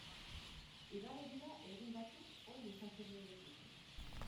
Igaro dira egun batzuk hori esan zenuenetik.